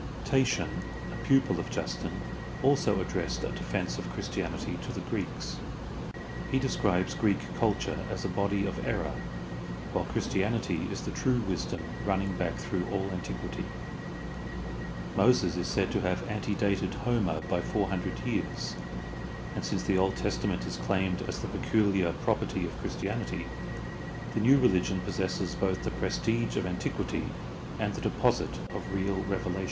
Tatian, a pupil of Justin, also addressed a defense of Christianity to the Greeks. He describes Greek culture as a body of error, while Christianity is the true wisdom running back through all antiquity. Moses is said to have antedated Homer by four hundred years, and since the Old Testament is claimed as the pecuHar property of Christianity, the new rehgion possesses both the prestige of antiquity and the deposit of real revelation.